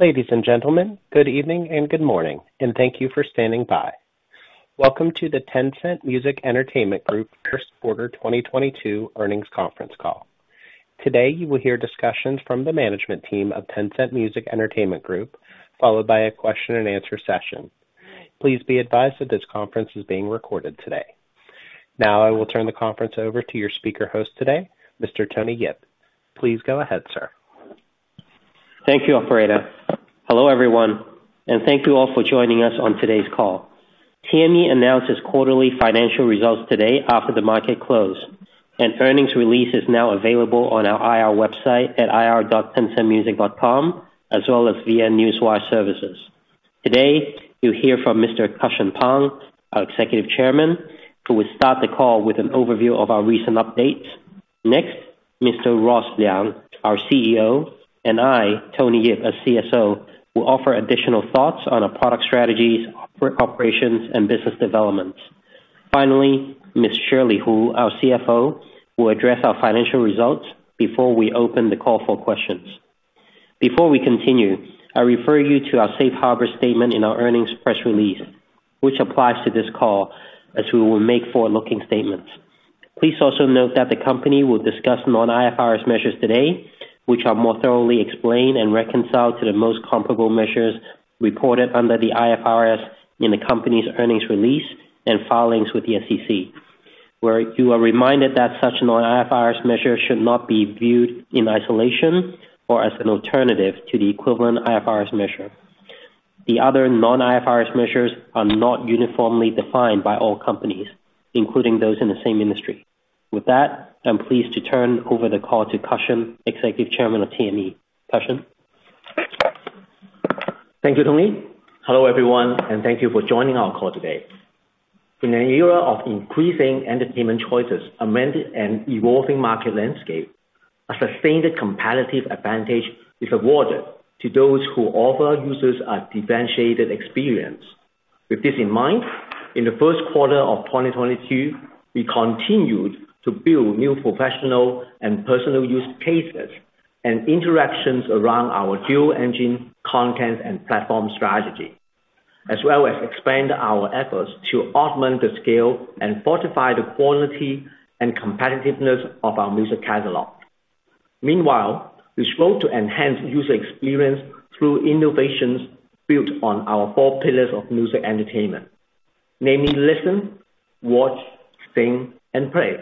Ladies and gentlemen, good evening and good morning, and thank you for standing by. Welcome to the Tencent Music Entertainment Group first quarter 2022 earnings conference call. Today, you will hear discussions from the management team of Tencent Music Entertainment Group, followed by a question and answer session. Please be advised that this conference is being recorded today. Now I will turn the conference over to your speaker host today, Mr. Tony Yip. Please go ahead, sir. Thank you, operator. Hello, everyone, and thank you all for joining us on today's call. TME announces quarterly financial results today after the market close, and earnings release is now available on our IR website at ir.tencentmusic.com, as well as via Newswire services. Today, you'll hear from Mr. Cussion Pang, our Executive Chairman, who will start the call with an overview of our recent updates. Next, Mr. Ross Liang, our CEO, and I, Tony Yip, as CSO, will offer additional thoughts on our product strategies, operations, and business developments. Finally, Ms. Shirley Hu, our CFO, will address our financial results before we open the call for questions. Before we continue, I refer you to our safe harbor statement in our earnings press release, which applies to this call, as we will make forward-looking statements. Please also note that the company will discuss non-IFRS measures today, which are more thoroughly explained and reconciled to the most comparable measures reported under the IFRS in the company's earnings release and filings with the SEC. We're reminded that such non-IFRS measures should not be viewed in isolation or as an alternative to the equivalent IFRS measure. The other non-IFRS measures are not uniformly defined by all companies, including those in the same industry. With that, I'm pleased to turn over the call to Cussion Pang, Executive Chairman of TME. Cussion? Thank you, Tony. Hello, everyone, and thank you for joining our call today. In an era of increasing entertainment choices, amid an evolving market landscape, a sustained competitive advantage is awarded to those who offer users a differentiated experience. With this in mind, in the first quarter of 2022, we continued to build new professional and personal use cases and interactions around our dual engine content and platform strategy, as well as expand our efforts to augment the scale and fortify the quality and competitiveness of our music catalog. Meanwhile, we sought to enhance user experience through innovations built on our four pillars of music entertainment, namely listen, watch, sing, and play,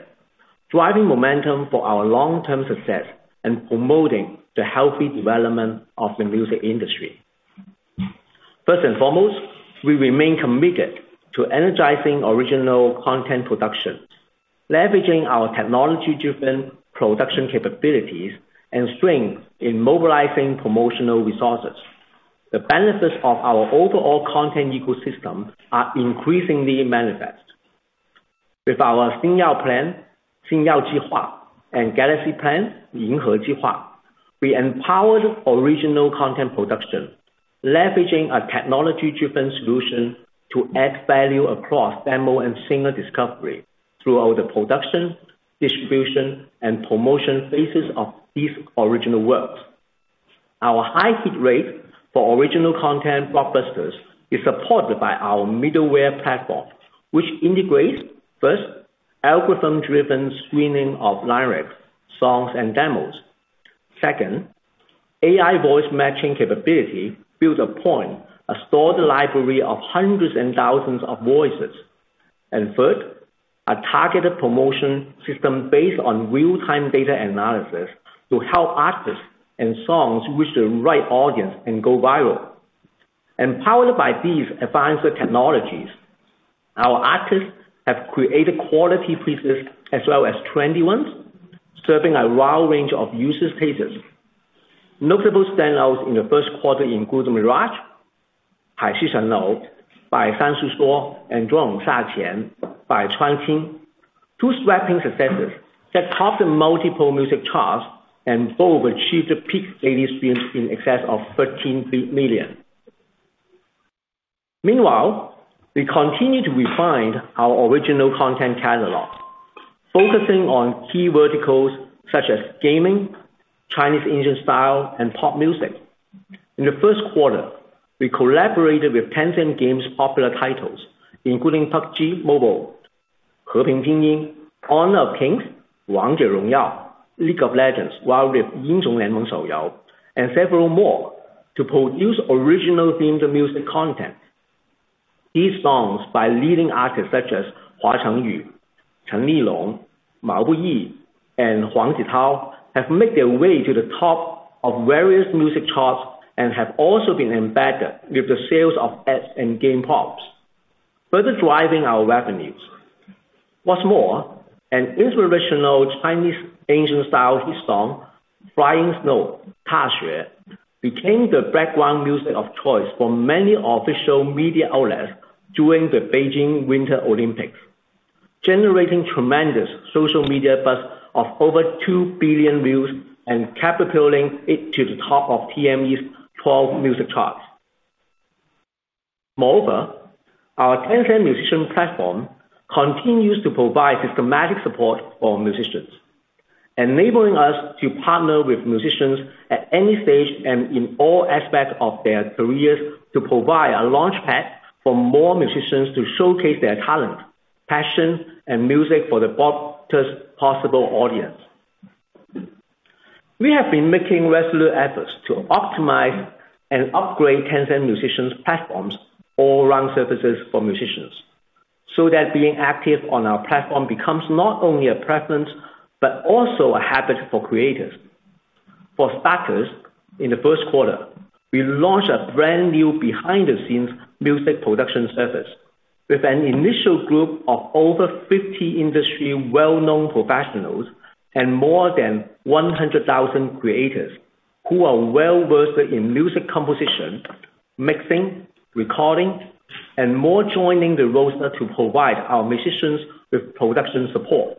driving momentum for our long-term success and promoting the healthy development of the music industry. First and foremost, we remain committed to energizing original content productions, leveraging our technology-driven production capabilities and strength in mobilizing promotional resources. The benefits of our overall content ecosystem are increasingly manifest. With our Xingyao Plan and Galaxy Plan, we empowered original content production, leveraging a technology-driven solution to add value across demo and single discovery throughout the production, distribution, and promotion phases of these original works. Our high hit rate for original content blockbusters is supported by our middleware platform, which integrates, first, algorithm-driven screening of lyrics, songs, and demos. Second, AI voice matching capability builds upon a stored library of hundreds and thousands of voices. Third, a targeted promotion system based on real-time data analysis to help artists and songs reach the right audience and go viral. Empowered by these advanced technologies, our artists have created quality pieces as well as trendy ones, serving a wide range of use cases. Notable standouts in the first quarter include Mirage by San Shu Shuo and Zhuang Sa Qian by Chuan Xin. Two sweeping successes that topped the multiple music charts and both achieved peak daily streams in excess of 13 million. Meanwhile, we continue to refine our original content catalog, focusing on key verticals such as gaming, Chinese ancient style, and pop music. In the first quarter, we collaborated with Tencent Games' popular titles, including PUBG Mobile, Honor of Kings, League of Legends: Wild Rift, and several more to produce original themed music content. These songs by leading artists such as Hua Chenyu, Chen Linong, Mao Buyi, and Huang Zitao have made their way to the top of various music charts and have also been embedded with the sales of apps and game props, further driving our revenues. What's more, an inspirational Chinese ancient style hit song, Flying Snow, Ta Xue, became the background music of choice for many official media outlets during the Beijing Winter Olympics, generating tremendous social media buzz of over two billion views and catapulting it to the top of TME's 12 music charts. Moreover, our Tencent musician platform continues to provide systematic support for musicians, enabling us to partner with musicians at any stage and in all aspects of their careers to provide a launchpad for more musicians to showcase their talent, passion, and music for the broadest possible audience. We have been making resolute efforts to optimize and upgrade Tencent musician platforms all around services for musicians, so that being active on our platform becomes not only a preference, but also a habit for creators. For starters, in the first quarter, we launched a brand new behind-the-scenes music production service with an initial group of over 50 industry well-known professionals and more than 100,000 creators who are well-versed in music composition, mixing, recording, and more joining the roster to provide our musicians with production support.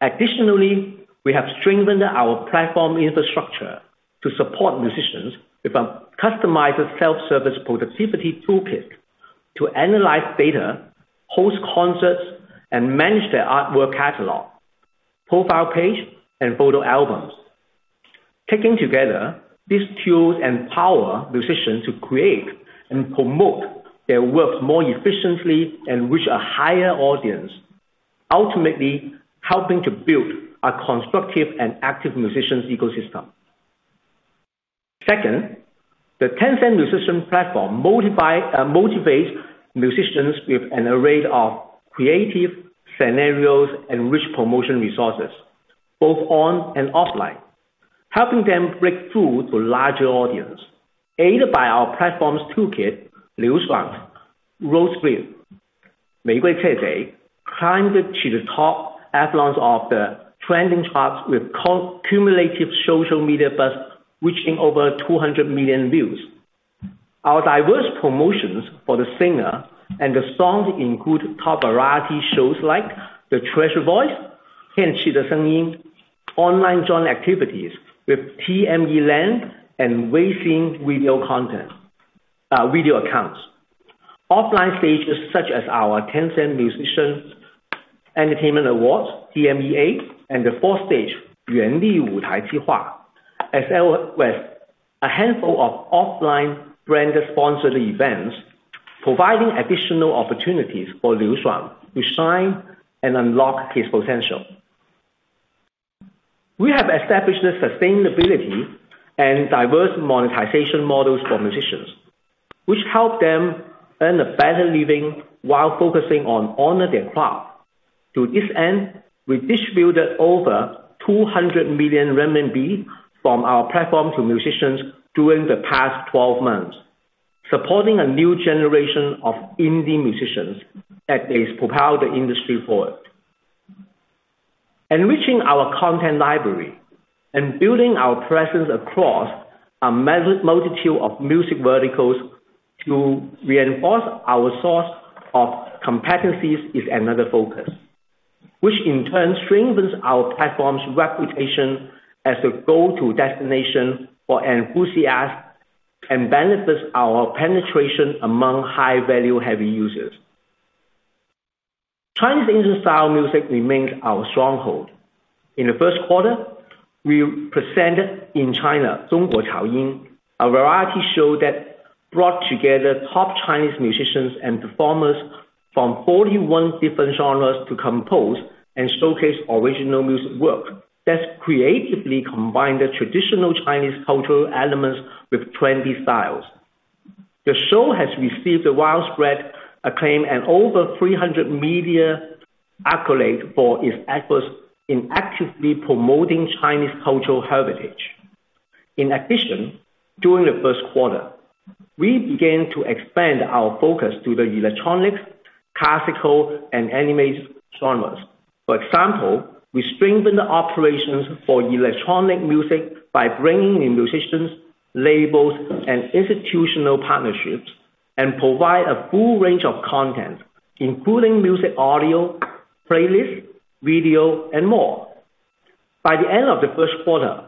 Additionally, we have strengthened our platform infrastructure to support musicians with a customized self-service productivity toolkit to analyze data, host concerts, and manage their artwork catalog, profile page, and photo albums. Taken together, these tools empower musicians to create and promote their work more efficiently and reach a higher audience, ultimately helping to build a constructive and active musicians ecosystem. Second, the Tencent musician platform motivates musicians with an array of creative scenarios and rich promotion resources, both on and offline, helping them break through to larger audience. Aided by our platforms toolkit, Liu Shuang rose, which climbed to the top echelons of the trending charts with cumulative social media buzz reaching over 200 million views. Our diverse promotions for the singer and the song include top variety shows like The Treasured Voice, online joint activities with TMELand and WeSing video content, video accounts. Offline stages such as our Tencent Musicians Entertainment Awards, TMEA, and the fourth stage, Yuan Li Wu Tai Ji Hua, as well as a handful of offline brand-sponsored events, providing additional opportunities for Liu Shuang to shine and unlock his potential. We have established the sustainability and diverse monetization models for musicians, which help them earn a better living while focusing on honoring their craft. To this end, we distributed over 200 million renminbi from our platform to musicians during the past 12 months, supporting a new generation of indie musicians as they propel the industry forward. Enriching our content library and building our presence across a multitude of music verticals to reinforce our core competencies is another focus, which in turn strengthens our platform's reputation as a go-to destination for enthusiasts and benefits our penetration among high-value heavy users. Chinese indie-style music remains our stronghold. In the first quarter, we presented In China, Zhongguo Chaoyin, a variety show that brought together top Chinese musicians and performers from 41 different genres to compose and showcase original music work that creatively combined the traditional Chinese cultural elements with trendy styles. The show has received widespread acclaim and over 300 media accolades for its efforts in actively promoting Chinese cultural heritage. In addition, during the first quarter, we began to expand our focus to the electronic, classical and anime genres. For example, we strengthened the operations for electronic music by bringing in musicians, labels, and institutional partnerships, and provide a full range of content, including music, audio, playlist, video, and more. By the end of the first quarter,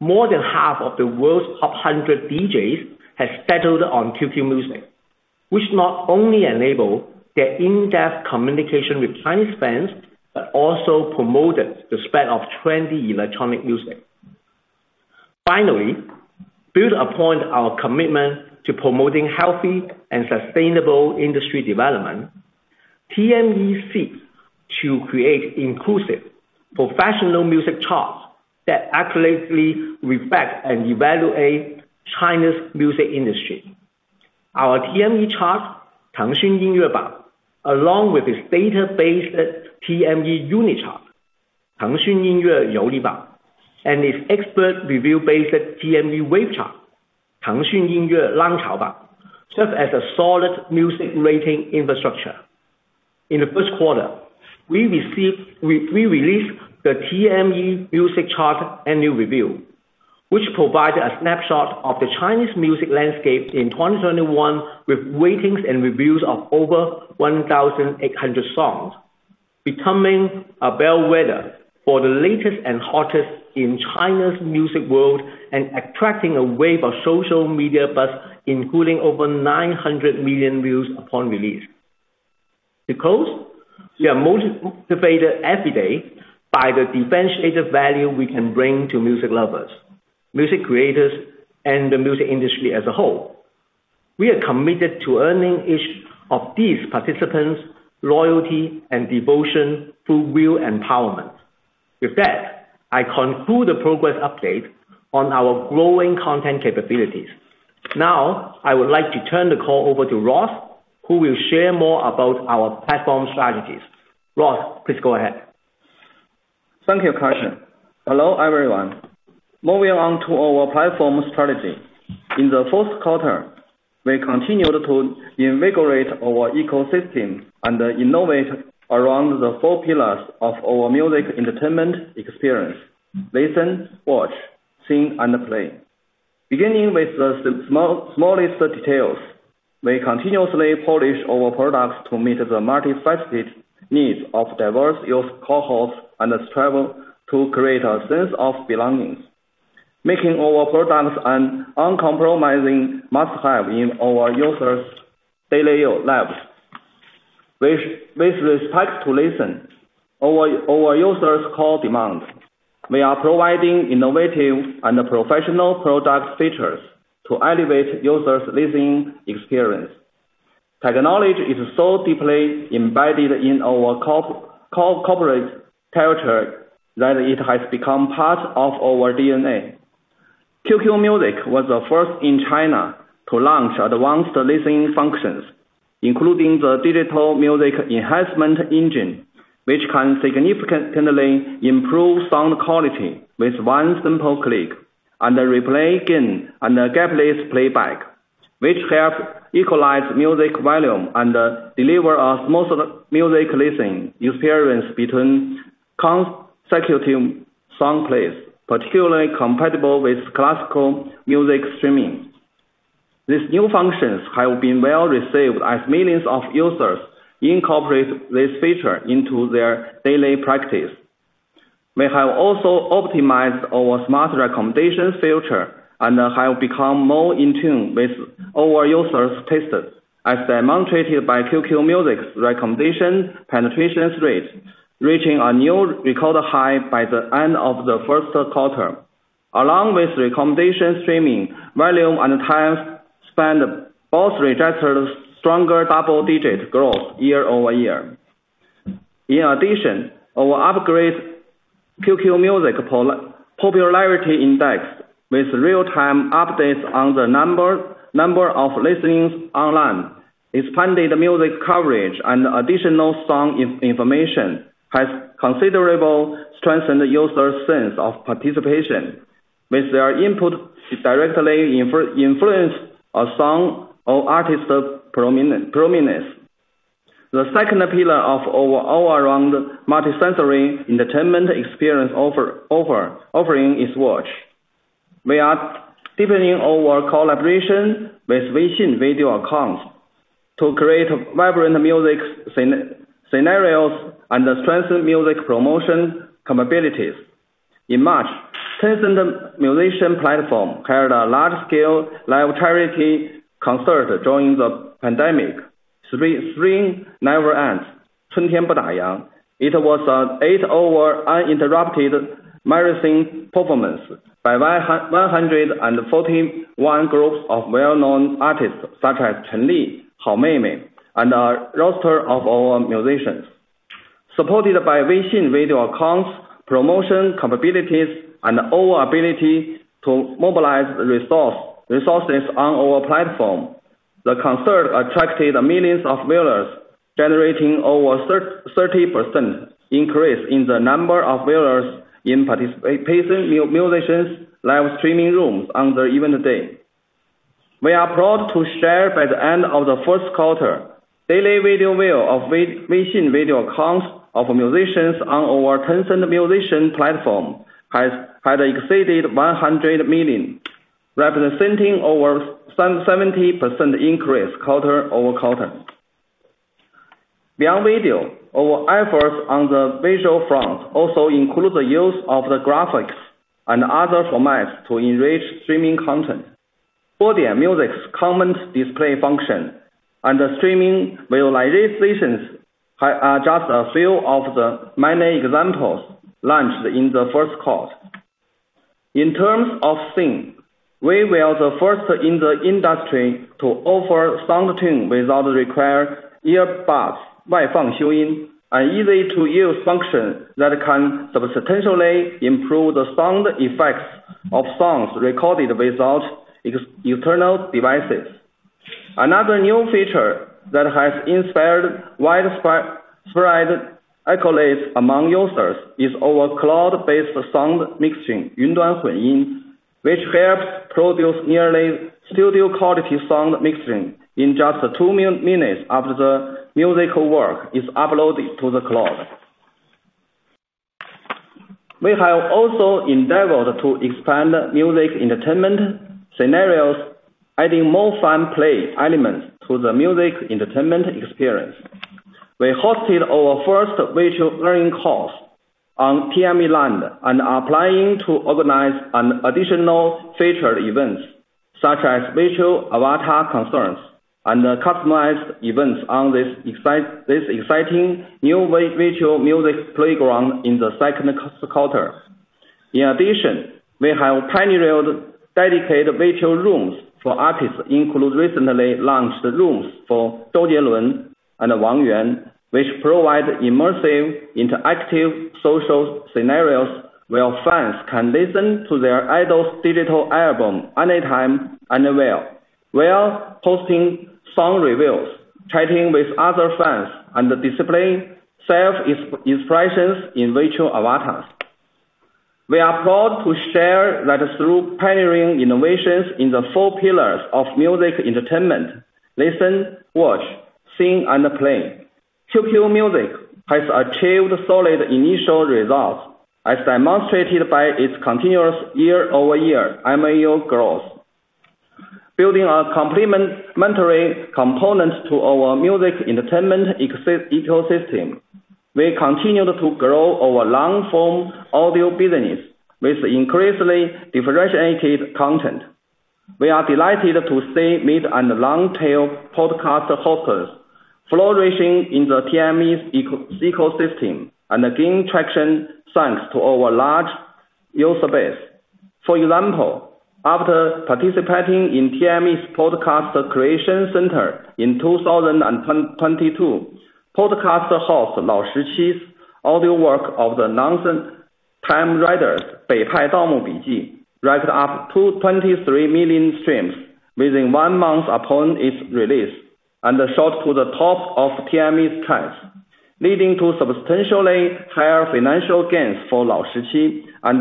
more than half of the world's top 100 DJs have settled on QQ Music, which not only enabled their in-depth communication with Chinese fans, but also promoted the spread of trendy electronic music. Finally, build upon our commitment to promoting healthy and sustainable industry development, TME seeks to create inclusive professional music charts that accurately reflect and evaluate China's music industry. Our TME Chart, along with its data-based TME UNI Chart and its expert review-based TME Wave Chart, serves as a solid music rating infrastructure. In the first quarter, we released the TME music chart annual review, which provided a snapshot of the Chinese music landscape in 2021 with ratings and reviews of over 1,800 songs. Becoming a bellwether for the latest and hottest in China's music world and attracting a wave of social media buzz, including over 900 million views upon release. Because we are motivated every day by the differentiated value we can bring to music lovers, music creators, and the music industry as a whole. We are committed to earning each of these participants loyalty and devotion through real empowerment. With that, I conclude the progress update on our growing content capabilities. Now, I would like to turn the call over to Ross, who will share more about our platform strategies. Ross, please go ahead. Thank you, Cussion. Hello, everyone. Moving on to our platform strategy. In the first quarter, we continued to invigorate our ecosystem and innovate around the four pillars of our music entertainment experience, listen, watch, sing, and play. Beginning with the smallest details, we continuously polish our products to meet the multifaceted needs of diverse user cohorts and strive to create a sense of belonging, making our products an uncompromising must-have in our users' daily lives. With respect to listen, our users' core demands, we are providing innovative and professional product features to elevate users' listening experience. Technology is so deeply embedded in our corporate character that it has become part of our DNA. QQ Music was the first in China to launch advanced listening functions, including the digital music enhancement engine, which can significantly improve sound quality with one simple click, and replay gain and gapless playback, which help equalize music volume and deliver a smooth music listening experience between consecutive song plays, particularly compatible with classical music streaming. These new functions have been well received as millions of users incorporate this feature into their daily practice. We have also optimized our smart recommendations feature and have become more in tune with our users' tastes, as demonstrated by QQ Music's recommendation penetration rate, reaching a new record high by the end of the first quarter. Along with recommendation streaming, volume and time spent both registered stronger double-digit growth year-over-year. In addition, our upgraded QQ Music popularity index with real-time updates on the number of listenings online, expanded music coverage and additional song information has considerably strengthened the user sense of participation with their input directly influence a song or artist prominence. The second pillar of our all-around multisensory entertainment experience offering is Watch. We are deepening our collaboration with WeChat video accounts to create vibrant music scenarios and strengthen music promotion capabilities. In March, Tencent musician platform held a large-scale live charity concert during the pandemic, Spring Never Ends, chuntian buyao yan. It was an eight-hour uninterrupted marathon performance by 141 groups of well-known artists such as Chen Li, Hao Meimei, and our roster of musicians. Supported by WeChat video accounts promotion capabilities and our ability to mobilize resources on our platform, the concert attracted millions of viewers, generating over 30% increase in the number of viewers in participating musicians live streaming rooms on the event day. We are proud to share by the end of the first quarter, daily video view of WeChat video accounts of musicians on our Tencent musician platform had exceeded 100 million, representing over 70% increase quarter-over-quarter. Beyond video, our efforts on the visual front also include the use of the graphics and other formats to enrich streaming content. KuGou Music's comment display function and streaming visualizations are just a few of the many examples launched in the first quarter. In terms of WeSing, we were the first in the industry to offer sound tuning without requiring earbuds, waifang xiuyin, an easy-to-use function that can substantially improve the sound effects of songs recorded without external devices. Another new feature that has inspired widespread accolades among users is our cloud-based sound mixing, yunduan hunyin, which helps produce nearly studio-quality sound mixing in just two minutes after the musical work is uploaded to the cloud. We have also endeavored to expand music entertainment scenarios, adding more fun play elements to the music entertainment experience. We hosted our first virtual learning course on TMELand and are planning to organize additional featured events such as virtual avatar concerts and customized events on this exciting new virtual music playground in the second quarter. In addition, we have pioneered dedicated virtual rooms for artists, including recently launched rooms for Zhou Zhennan and Wang Yuan, which provide immersive interactive social scenarios where fans can listen to their idols' digital album anytime, anywhere, while posting song reviews, chatting with other fans, and displaying self-expressions in virtual avatars. We are proud to share that through pioneering innovations in the four pillars of music entertainment, listen, watch, sing, and play, QQ Music has achieved solid initial results, as demonstrated by its continuous year-over-year MAU growth. Building a complementary component to our music entertainment ecosystem, we continued to grow our long-form audio business with increasingly differentiated content. We are delighted to see mid and long-tail podcast hosts flourishing in the TME's ecosystem and gain traction thanks to our large user base. For example, after participating in TME's Podcast Creation Center in 2022, podcast host lao shi qi audio work of the Nonsense Time Riders, beatai dangmu biji, racked up 23 million streams within one month upon its release, and shot to the top of TME's charts, leading to substantially higher financial gains for lao shi qi and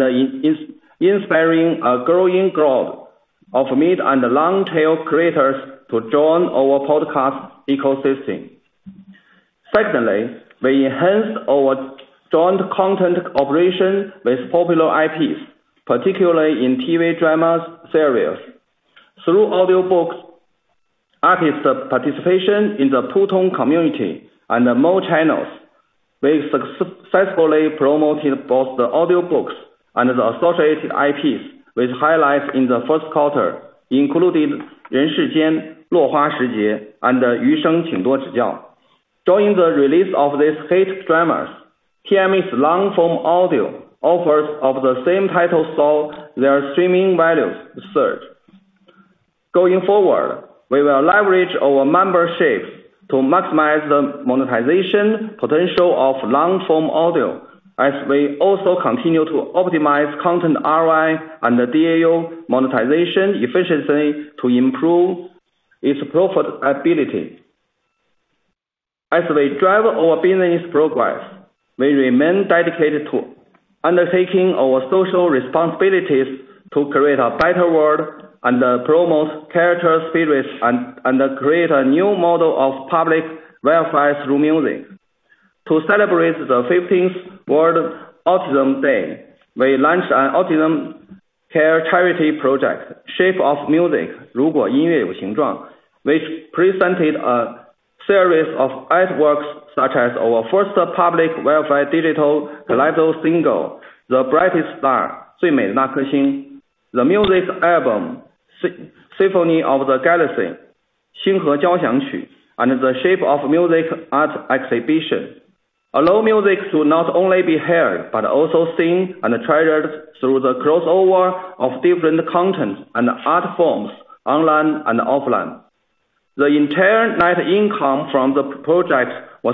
inspiring a growing crowd of mid and long-tail creators to join our podcast ecosystem. Secondly, we enhanced our joint content operation with popular IPs, particularly in TV drama series. Through audiobooks, artist participation in the Putong Community and more channels, we successfully promoted both the audiobooks and the associated IPs, with highlights in the first quarter including Ren Shi Jian, Luohua Shijie, and Yu Sheng, Qing Duo Zhi Jiao. During the release of these hit dramas, TME's long-form audio offers of the same title saw their streaming values surge. Going forward, we will leverage our memberships to maximize the monetization potential of long-form audio as we also continue to optimize content ROI and the DAU monetization efficiency to improve its profitability. We drive our business progress, we remain dedicated to undertaking our social responsibilities to create a better world and promote character spirits and create a new model of public welfare through music. To celebrate the 15th World Autism Day, we launched an autism care charity project, Shape of Music, ru guo yin yue you xing zhuang, which presented a series of artworks such as our first public welfare digital kaleidoscope single, The Brightest Star, zui mei na ke xin, the music album Si-Symphony of the Galaxy, xin he jiao xiang qu, and the Shape of Music art exhibition. Allow music to not only be heard, but also seen and treasured through the crossover of different content and art forms online and offline. The entire net income from the project was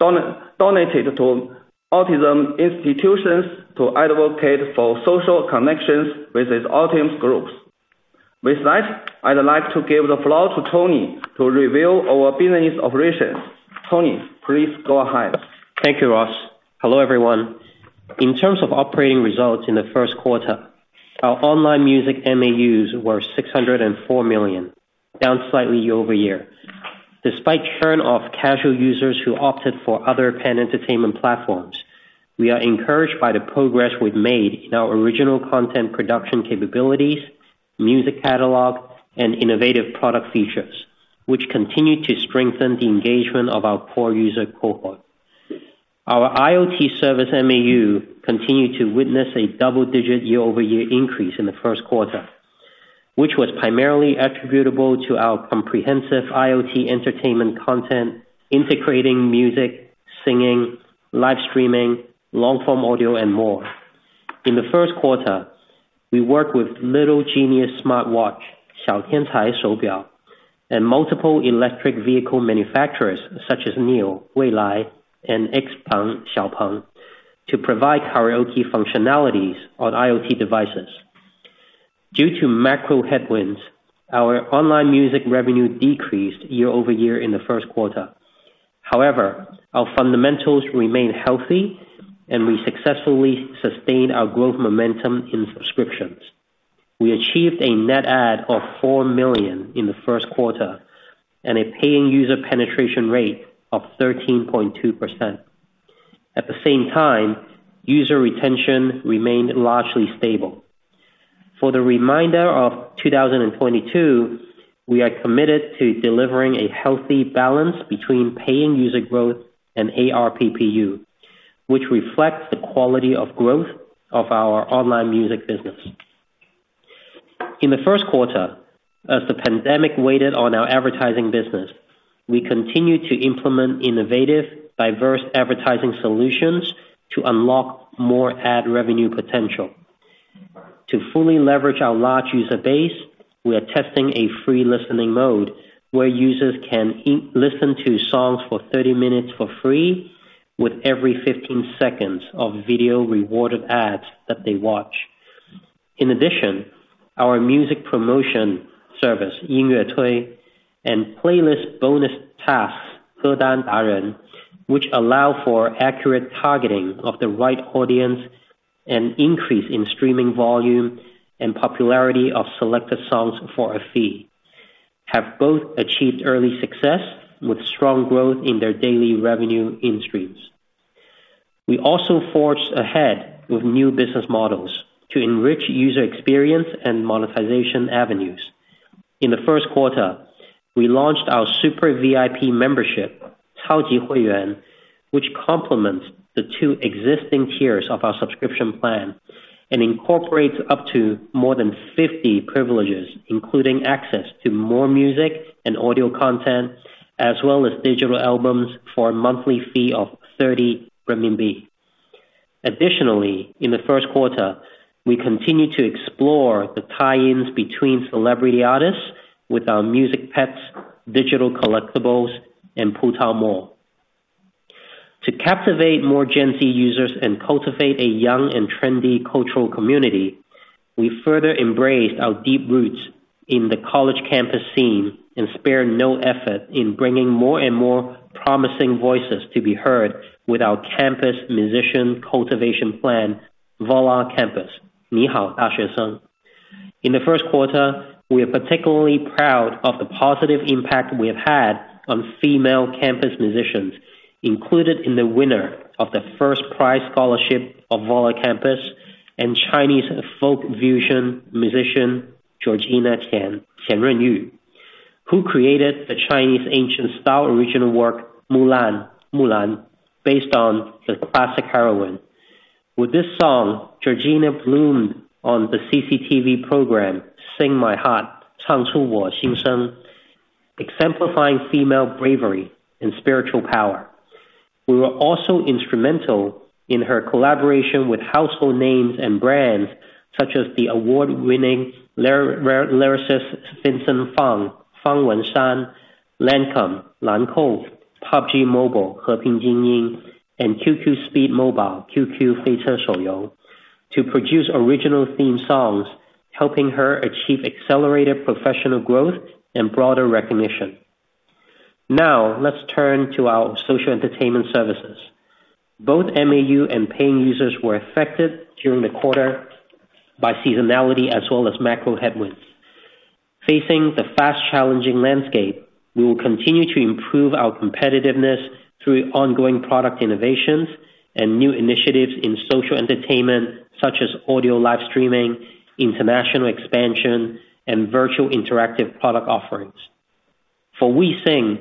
donated to autism institutions to advocate for social connections with these autism groups. With that, I'd like to give the floor to Tony to reveal our business operations. Tony, please go ahead. Thank you, Ross. Hello, everyone. In terms of operating results in the first quarter, our online music MAUs were 604 million, down slightly year-over-year. Despite churn of casual users who opted for other pan-entertainment platforms, we are encouraged by the progress we've made in our original content production capabilities, music catalog, and innovative product features, which continue to strengthen the engagement of our core user cohort. Our IoT service MAU continued to witness a double-digit year-over-year increase in the first quarter, which was primarily attributable to our comprehensive IoT entertainment content, integrating music, singing, live streaming, long-form audio, and more. In the first quarter, we worked with Little Genius smartwatch, xiaotiancai, and multiple electric vehicle manufacturers such as NIO, weilai, and XPENG, Xiao Peng, to provide karaoke functionalities on IoT devices. Due to macro headwinds, our online music revenue decreased year-over-year in the first quarter. However, our fundamentals remain healthy, and we successfully sustained our growth momentum in subscriptions. We achieved a net add of four million in the first quarter and a paying user penetration rate of 13.2%. At the same time, user retention remained largely stable. For the remainder of 2022, we are committed to delivering a healthy balance between paying user growth and ARPPU, which reflects the quality of growth of our online music business. In the first quarter, as the pandemic weighed on our advertising business, we continued to implement innovative, diverse advertising solutions to unlock more ad revenue potential. To fully leverage our large user base, we are testing a free listening mode where users can listen to songs for 30 minutes for free with every 15 seconds of video rewarded ads that they watch. In addition, our music promotion service and playlist bonus tasks, which allow for accurate targeting of the right audience, an increase in streaming volume and popularity of selected songs for a fee, have both achieved early success with strong growth in their daily revenue in-streams. We also forged ahead with new business models to enrich user experience and monetization avenues. In the first quarter, we launched our super VIP membership, which complements the two existing tiers of our subscription plan and incorporates up to more than 50 privileges, including access to more music and audio content, as well as digital albums for a monthly fee of 30 renminbi. Additionally, in the first quarter, we continued to explore the tie-ins between celebrity artists with our Music Pets digital collectibles in Peta Mall. To captivate more Gen Z users and cultivate a young and trendy cultural community, we further embrace our deep roots in the college campus scene and spare no effort in bringing more and more promising voices to be heard with our campus musician cultivation plan, Voila! Campus. In the first quarter, we are particularly proud of the positive impact we have had on female campus musicians included in the winner of the first prize scholarship of Voila! Campus and Chinese folk fusion musician, Qian Runyu, who created the Chinese ancient style original work, Mulan, based on the classic heroine. With this song, Qian Runyu bloomed on the CCTV program, Sing My Heart, exemplifying female bravery and spiritual power. We were also instrumental in her collaboration with household names and brands such as the award-winning lyricist Vincent Fang Wenshan, Lancôme, PUBG Mobile, and QQ Speed Mobile, to produce original theme songs, helping her achieve accelerated professional growth and broader recognition. Now, let's turn to our social entertainment services. Both MAU and paying users were affected during the quarter by seasonality as well as macro headwinds. Facing the fast, challenging landscape, we will continue to improve our competitiveness through ongoing product innovations and new initiatives in social entertainment such as audio live streaming, international expansion, and virtual interactive product offerings. For WeSing,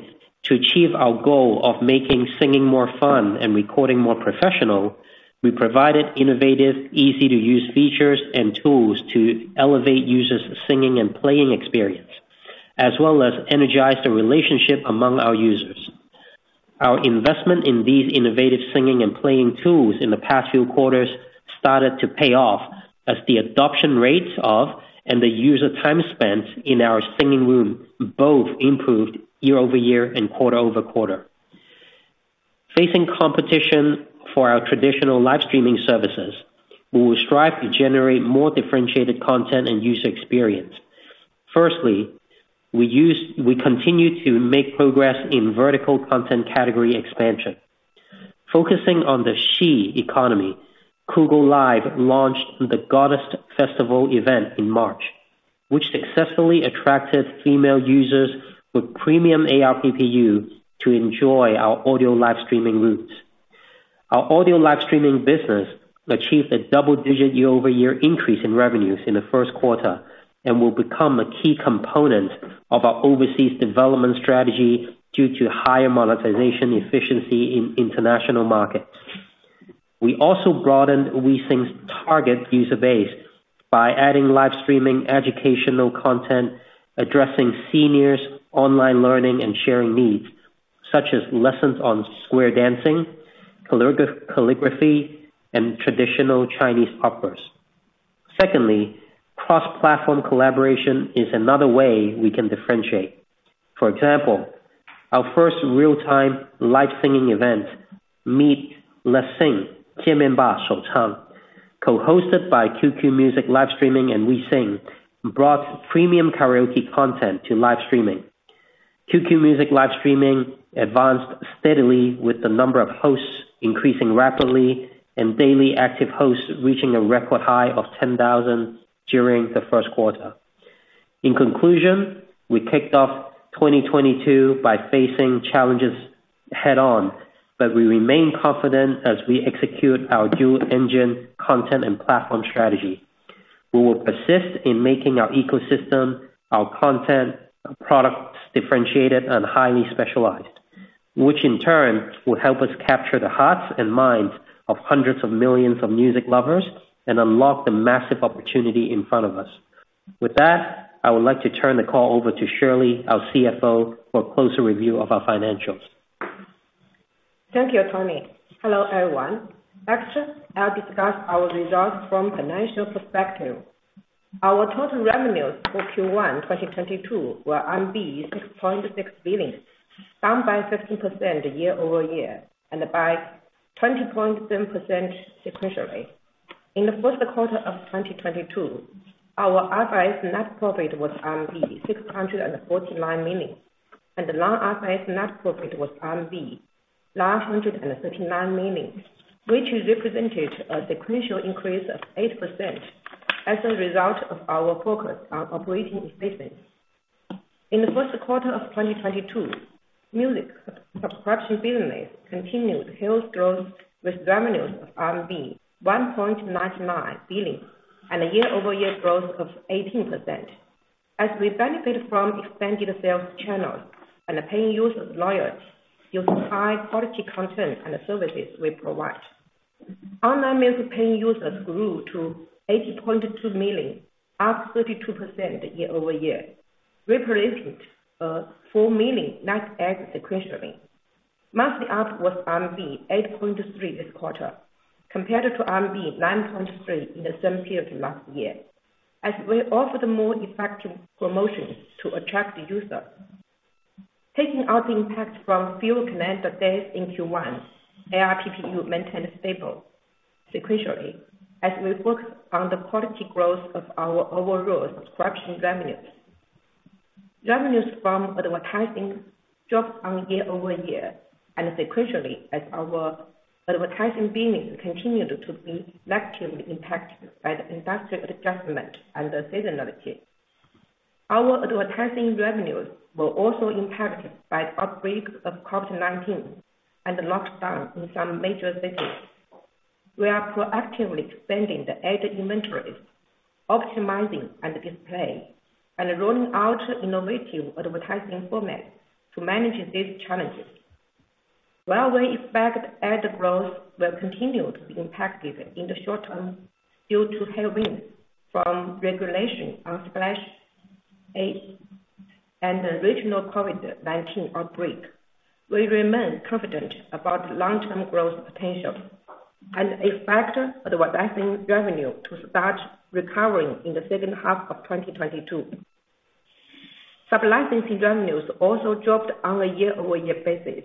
to achieve our goal of making singing more fun and recording more professional, we provided innovative, easy-to-use features and tools to elevate users' singing and playing experience, as well as energize the relationship among our users. Our investment in these innovative singing and playing tools in the past few quarters started to pay off as the adoption rates of and the user time spent in our singing room both improved year-over-year and quarter-over-quarter. Facing competition for our traditional live streaming services, we will strive to generate more differentiated content and user experience. Firstly, we continue to make progress in vertical content category expansion. Focusing on the she economy, KuGou Live launched the Goddess Festival event in March, which successfully attracted female users with premium ARPPU to enjoy our audio live streaming rooms. Our audio live streaming business achieved a double-digit year-over-year increase in revenues in the first quarter and will become a key component of our overseas development strategy due to higher monetization efficiency in international markets. We also broadened WeSing's target user base by adding live streaming educational content addressing seniors' online learning and sharing needs, such as lessons on square dancing, calligraphy, and traditional Chinese operas. Secondly, cross-platform collaboration is another way we can differentiate. For example, our first real-time live singing event, Meet Let's Sing, co-hosted by QQ Music Live Streaming and WeSing, brought premium karaoke content to live streaming. QQ Music live streaming advanced steadily with the number of hosts increasing rapidly and daily active hosts reaching a record high of 10,000 during the first quarter. In conclusion, we kicked off 2022 by facing challenges head on, but we remain confident as we execute our dual engine content and platform strategy. We will persist in making our ecosystem, our content, products differentiated and highly specialized, which in turn will help us capture the hearts and minds of hundreds of millions of music lovers and unlock the massive opportunity in front of us. With that, I would like to turn the call over to Shirley, our CFO, for a closer review of our financials. Thank you, Tony. Hello, everyone. Next, I'll discuss our results from financial perspective. Our total revenues for Q1 2022 were 6.6 billion, down 15% year-over-year, and by 20.7% sequentially. In the first quarter of 2022, our IFRS net profit was 649 million, and the non-IFRS net profit was 939 million, which represented a sequential increase of 8% as a result of our focus on operating efficiency. In the first quarter of 2022, music subscription business continued healthy growth with revenues of RMB 1.99 billion and a year-over-year growth of 18%. As we benefit from expanded sales channels and paying users loyalty due to high-quality content and services we provide. Online music paying users grew to 80.2 million, up 32% year-over-year, representing four million net adds sequentially. Monthly ARPPU was RMB 8.3 this quarter, compared to RMB 9.3 in the same period last year, as we offered more effective promotions to attract users. Taking out impact from fewer calendar days in Q1, ARPPU maintained stable sequentially as we focused on the quality growth of our overall subscription revenues. Revenues from advertising dropped year-over-year and sequentially as our advertising business continued to be negatively impacted by the industrial adjustment and seasonality. Our advertising revenues were also impacted by the outbreak of COVID-19 and lockdown in some major cities. We are proactively spending the ad inventories, optimizing ad display, and rolling out innovative advertising formats to manage these challenges. While we expect ad growth will continue to be impacted in the short term due to headwind from regulation on splash page, and the regional COVID-19 outbreak, we remain confident about long-term growth potential and expect advertising revenue to start recovering in the second half of 2022. Sub-licensing revenues also dropped on a year-over-year basis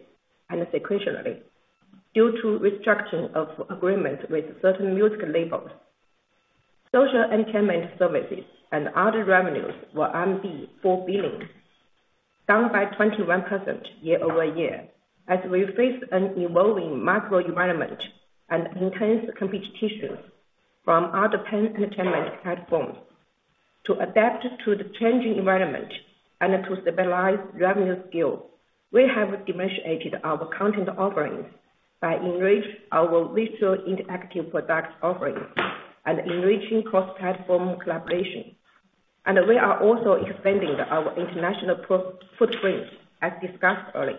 and sequentially due to restructuring of agreement with certain music labels. Social entertainment services and other revenues were 4 billion, down by 21% year-over-year as we face an evolving macro environment and intense competition from other paying entertainment platforms. To adapt to the changing environment and to stabilize revenue scale, we have differentiated our content offerings by enrich our visual interactive product offerings and enriching cross-platform collaboration. We are also expanding our international footprint as discussed earlier.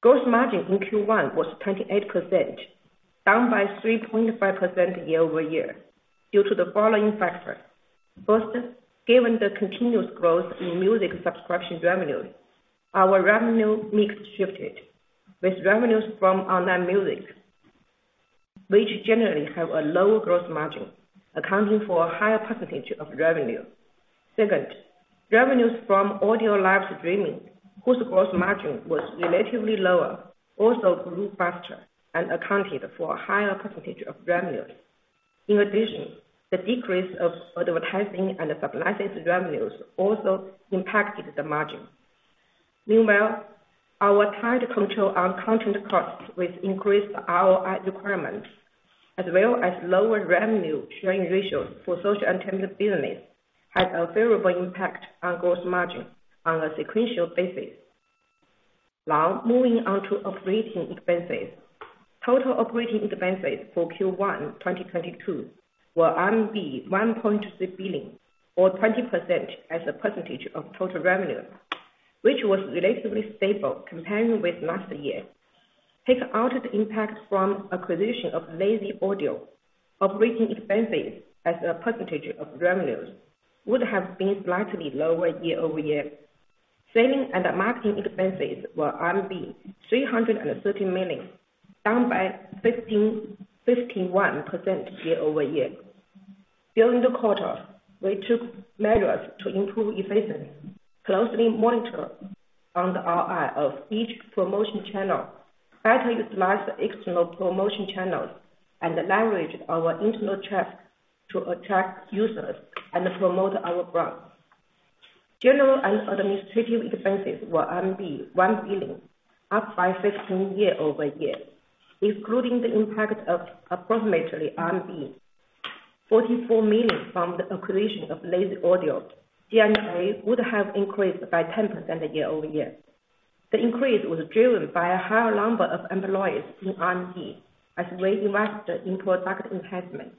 Gross margin in Q1 was 28%, down by 3.5% year-over-year due to the following factors. First, given the continuous growth in music subscription revenues, our revenue mix shifted with revenues from online music, which generally have a lower gross margin, accounting for a higher percentage of revenue. Second, revenues from audio live streaming, whose gross margin was relatively lower, also grew faster and accounted for a higher percentage of revenues. In addition, the decrease of advertising and sub-licensed revenues also impacted the margin. Meanwhile, we're trying to control our content costs with increased ROI requirements, as well as lower revenue sharing ratios for social entertainment business, had a favorable impact on gross margin on a sequential basis. Now, moving on to operating expenses. Total operating expenses for Q1 2022 were RMB 1.6 billion or 20% as a percentage of total revenue, which was relatively stable comparing with last year. Take out the impact from acquisition of Lazy Audio, operating expenses as a percentage of revenues would have been slightly lower year-over-year. Selling and marketing expenses were RMB 330 million, down by 15.51% year-over-year. During the quarter, we took measures to improve efficiency, closely monitor on the ROI of each promotion channel, better utilize external promotion channels, and leverage our internal traffic to attract users and promote our brands. General and administrative expenses were 1 billion, up by 15% year-over-year, excluding the impact of approximately RMB 44 million from the acquisition of Lazy Audio, G&A would have increased by 10% year-over-year. The increase was driven by a higher number of employees in R&D as we invested in product enhancement,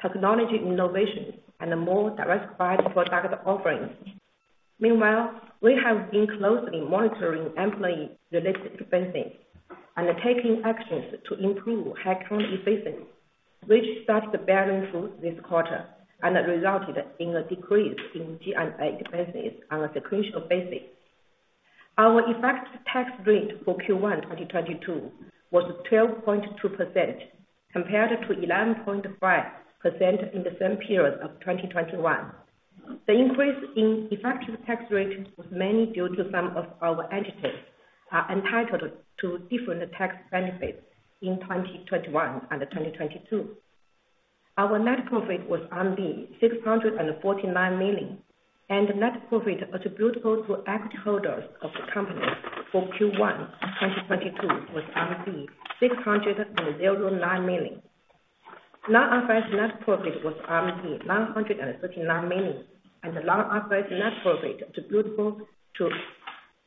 technology innovation, and a more diversified product offerings. Meanwhile, we have been closely monitoring employee-related expenses and taking actions to improve headcount efficiency, which started bearing fruit this quarter and resulted in a decrease in G&A expenses on a sequential basis. Our effective tax rate for Q1 2022 was 12.2%, compared to 11.5% in the same period of 2021. The increase in effective tax rate was mainly due to some of our entities are entitled to different tax benefits in 2021 and 2022. Our net profit was RMB 649 million, and net profit attributable to equity holders of the company for Q1 2022 was 609 million. Non-GAAP net profit was 939 million, and the non-GAAP net profit attributable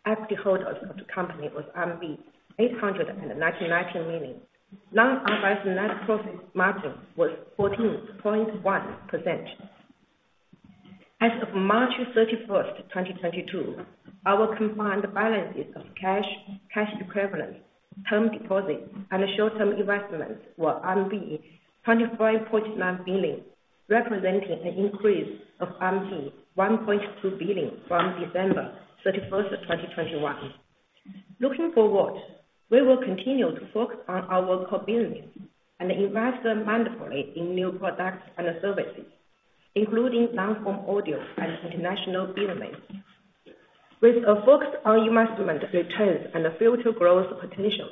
to equity holders of the company was RMB 899 million. Non-GAAP net profit margin was 14.1%. As of March 31, 2022, our combined balances of cash equivalents, term deposits and short-term investments were 25.9 billion, representing an increase of 1.2 billion from December 31, 2021. Looking forward, we will continue to focus on our core business and invest meaningfully in new products and services, including long-form audio and international business. With a focus on investment returns and future growth potential.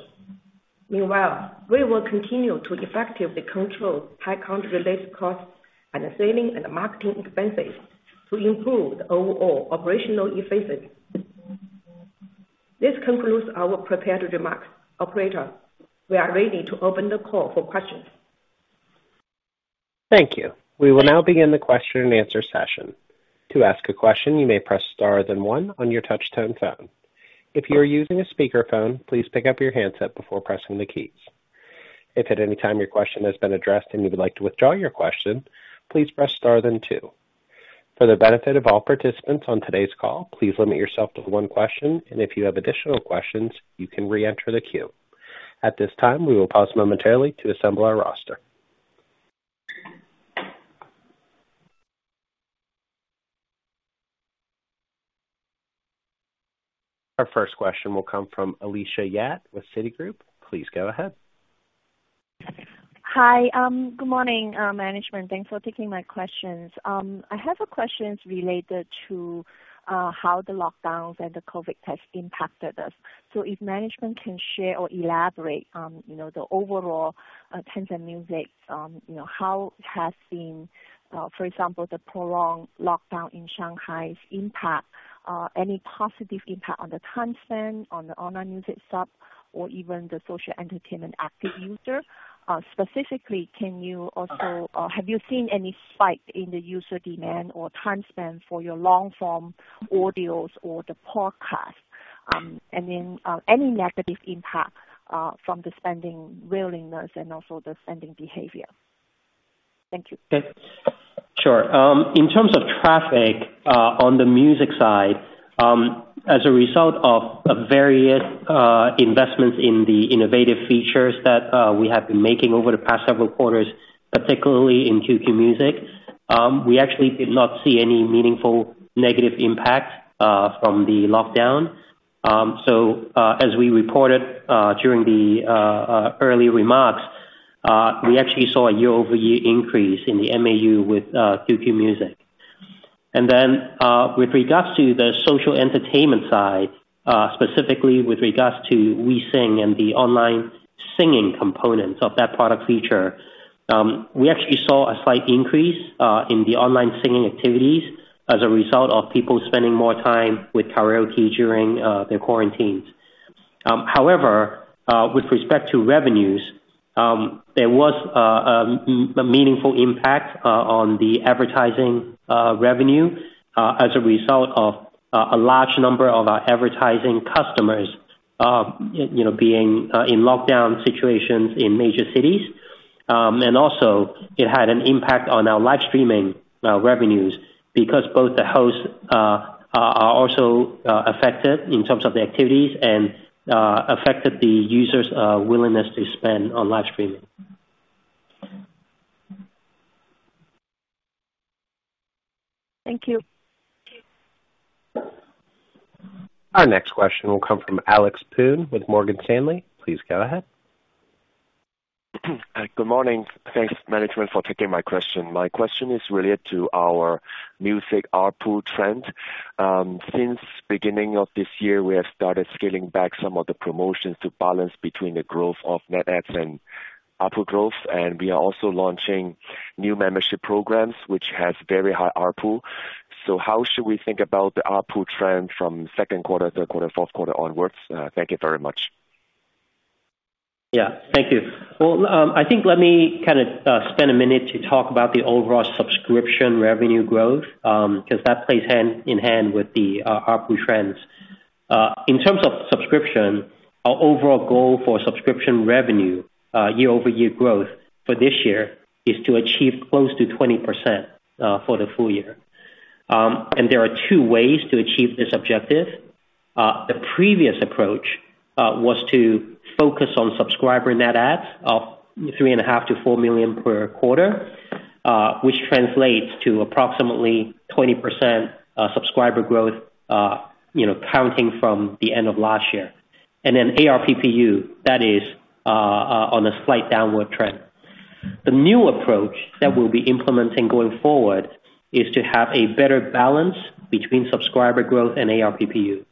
Meanwhile, we will continue to effectively control headcount-related costs and selling and marketing expenses to improve overall operational efficiency. This concludes our prepared remarks. Operator, we are ready to open the call for questions. Thank you. We will now begin the question and answer session. To ask a question, you may press star then one on your touch tone phone. If you are using a speakerphone, please pick up your handset before pressing the keys. If at any time your question has been addressed and you would like to withdraw your question, please press star then two. For the benefit of all participants on today's call, please limit yourself to one question, and if you have additional questions, you can reenter the queue. At this time, we will pause momentarily to assemble our roster. Our first question will come from Alicia Yap with Citigroup. Please go ahead. Hi. Good morning, management. Thanks for taking my questions. I have a questions related to how the lockdowns and the COVID tests impacted us. If management can share or elaborate on, you know, the overall Tencent Music, you know, how it has been, for example, the prolonged lockdown in Shanghai's impact, any positive impact on the time spent on the online music sub or even the social entertainment active user? Specifically, have you seen any spike in the user demand or time spent for your long form audios or the podcast? Any negative impact from the spending willingness and also the spending behavior? Thank you. Sure. In terms of traffic, on the music side, as a result of various investments in the innovative features that we have been making over the past several quarters, particularly in QQ Music, we actually did not see any meaningful negative impact from the lockdown. As we reported during the early remarks, we actually saw a year-over-year increase in the MAU with QQ Music. With regards to the social entertainment side, specifically with regards to WeSing and the online singing components of that product feature, we actually saw a slight increase in the online singing activities as a result of people spending more time with karaoke during their quarantines. However, with respect to revenues, there was a meaningful impact on the advertising revenue as a result of a large number of our advertising customers, you know, being in lockdown situations in major cities. Also it had an impact on our live streaming revenues because both the hosts are also affected in terms of the activities and affected the users' willingness to spend on live streaming. Thank you. Our next question will come from Alex Poon with Morgan Stanley. Please go ahead. Good morning. Thanks, management, for taking my question. My question is related to our music ARPU trend. Since beginning of this year, we have started scaling back some of the promotions to balance between the growth of net adds and ARPU growth. We are also launching new membership programs, which has very high ARPU. So how should we think about the ARPU trend from second quarter, third quarter, fourth quarter onwards? Thank you very much. Yeah, thank you. Well, I think let me kind of spend a minute to talk about the overall subscription revenue growth, because that plays hand in hand with the ARPU trends. In terms of subscription, our overall goal for subscription revenue year-over-year growth for this year is to achieve close to 20% for the full year. There are two ways to achieve this objective. The previous approach was to focus on subscriber net adds of 3.5 million-4 million per quarter, which translates to approximately 20% subscriber growth, you know, counting from the end of last year. Then ARPPU, that is, on a slight downward trend. The new approach that we'll be implementing going forward is to have a better balance between subscriber growth and ARPPU.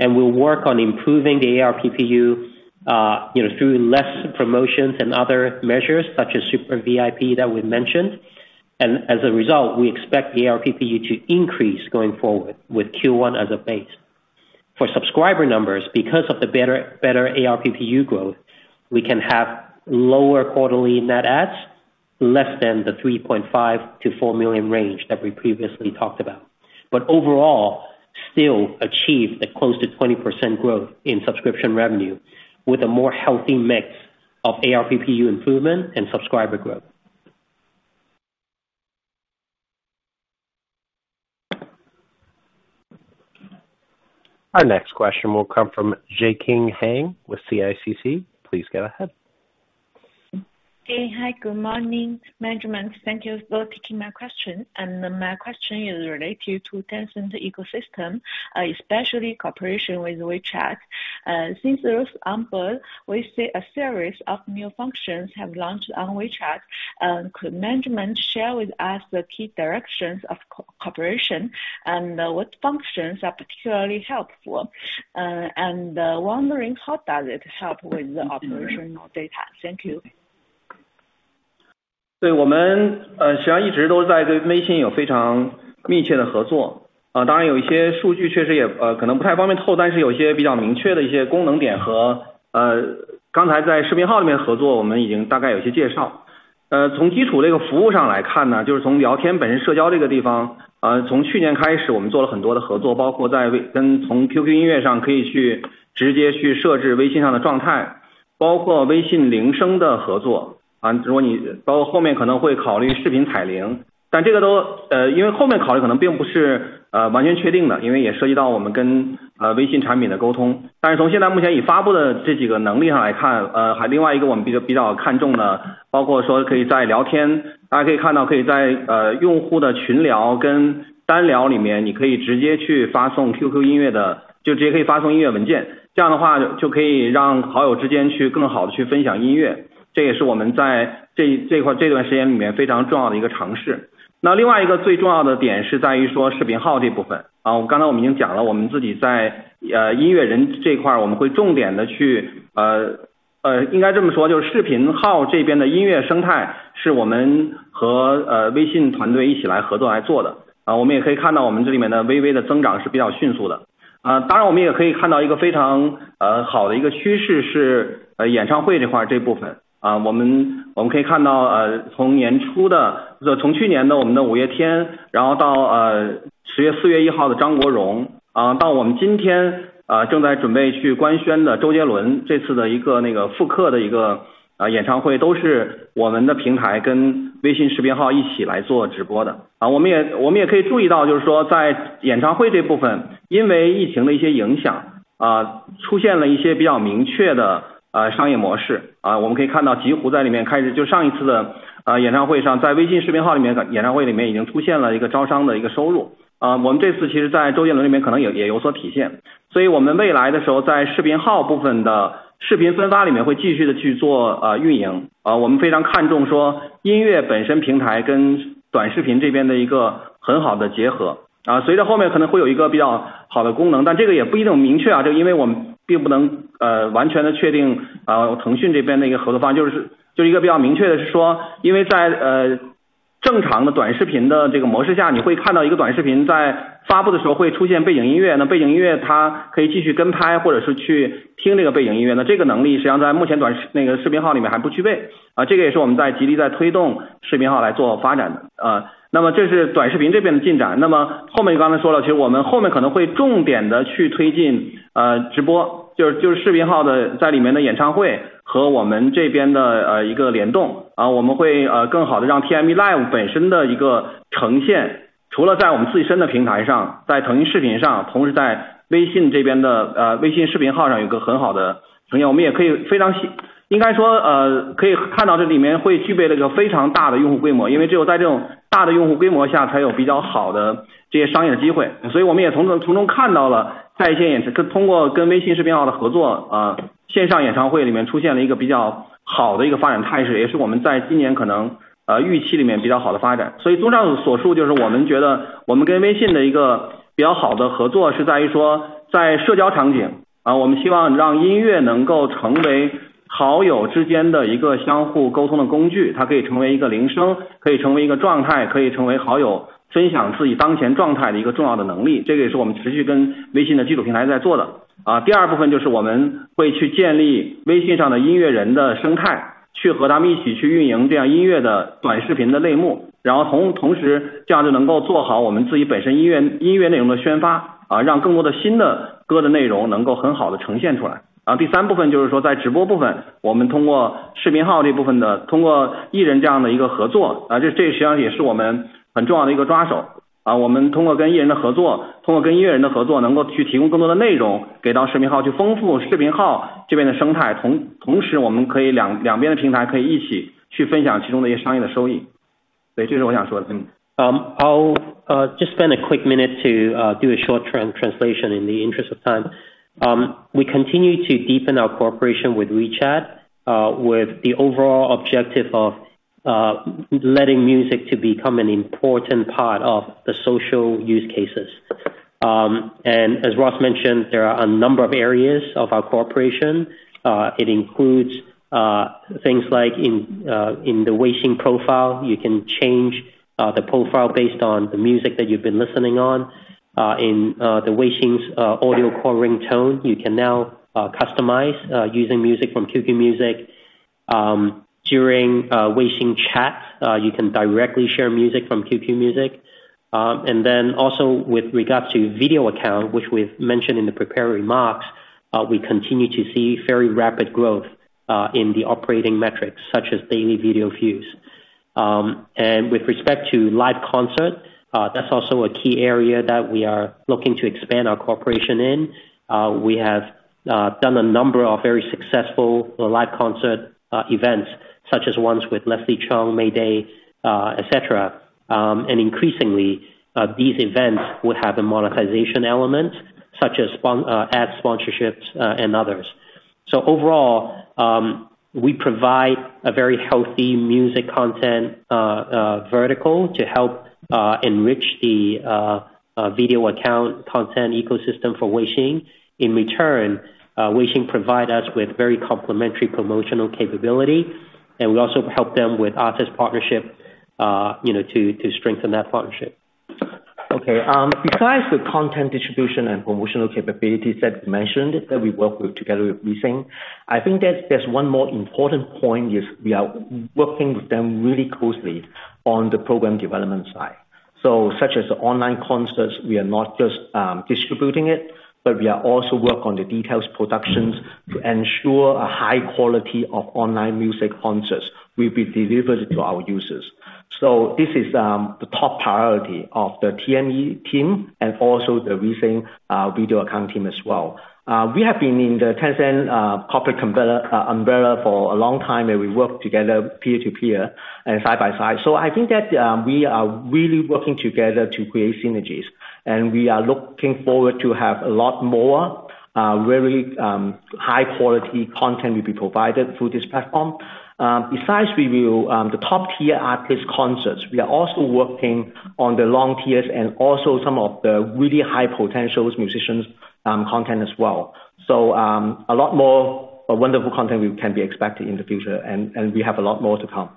We'll work on improving the ARPPU, you know, through less promotions and other measures such as Super VIP that we've mentioned. As a result, we expect the ARPPU to increase going forward with Q1 as a base. For subscriber numbers, because of the better ARPPU growth, we can have lower quarterly net adds, less than the 3.5 million-4 million range that we previously talked about, but overall still achieve a close to 20% growth in subscription revenue with a more healthy mix of ARPPU improvement and subscriber growth. Our next question will come from Xueqing Zhang with CICC. Please go ahead. Hey, hi, good morning, management. Thank you for taking my question. My question is related to Tencent ecosystem, especially cooperation with WeChat. Since we see a series of new functions have launched on WeChat. Could management share with us the key directions of cooperation and what functions are particularly helpful? Wondering how does it help with the operational data? Thank you. live本身的一个呈现，除了在我们自己的平台上，在腾讯视频上，同时在微信这边的微信视频号上有一个很好的呈现，我们也可以看到这里面会具备了一个非常大的用户规模，因为只有在这种大的用户规模下才有比较好的这些商业的机会。所以我们也从中看到了在线演出，通过跟微信视频号的合作。I'll just spend a quick minute to do a short term translation in the interest of time. We continue to deepen our cooperation with WeChat, with the overall objective of letting music to become an important part of the social use cases. As Ross mentioned, there are a number of areas of our cooperation. It includes things like in the WeChat profile, you can change the profile based on the music that you've been listening on. In the WeChat's audio call ringtone, you can now customize using music from QQ Music. During WeChat chats, you can directly share music from QQ Music. With regards to Video Account, which we've mentioned in the prepared remarks, we continue to see very rapid growth in the operating metrics such as daily video views. With respect to live concert, that's also a key area that we are looking to expand our cooperation in. We have done a number of very successful live concert events, such as ones with Leslie Cheung, Mayday, et cetera. Increasingly, these events would have a monetization element such as ad sponsorships, and others. Overall, we provide a very healthy music content vertical to help enrich the Video Account content ecosystem for WeChat. In return, WeChat provide us with very complimentary promotional capability, and we also help them with artist partnership, you know, to strengthen that partnership. Okay. Besides the content distribution and promotional capabilities that you mentioned that we work with together with WeChat, I think that there's one more important point is we are working with them really closely on the program development side. Such as online concerts, we are not just distributing it, but we are also work on the details productions to ensure a high quality of online music concerts will be delivered to our users. This is the top priority of the TME team and also the recent video account team as well. We have been in the Tencent corporate umbrella for a long time, and we work together peer-to-peer and side by side. I think that we are really working together to create synergies. We are looking forward to have a lot more very high-quality content will be provided through this platform. Besides we will the top-tier artist concerts, we are also working on the long-tail and also some of the really high-potential musicians content as well. A lot more wonderful content we can be expecting in the future and we have a lot more to come.